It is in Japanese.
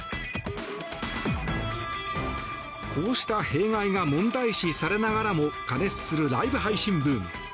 こうした弊害が問題視されながらも過熱するライブ配信ブーム。